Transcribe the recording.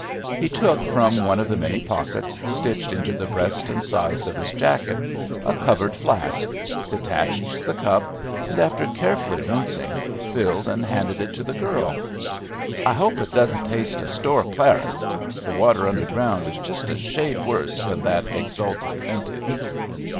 He took from one of the many pockets stitched into the breast and sides of his jacket a covered flask, detached the cup, and, after carefully rinsing, filled and handed it to the girl. "I hope it doesn't taste of 'store claret;' the water underground is just a shade worse than that exalted vintage."